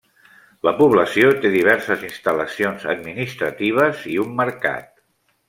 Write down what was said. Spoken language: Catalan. La població té diverses instal·lacions administratives i un mercat.